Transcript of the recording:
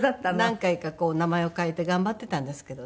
何回か名前を変えて頑張っていたんですけどね。